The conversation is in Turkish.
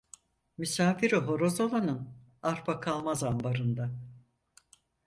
Misafiri horoz olanın, arpa kalmaz ambarında.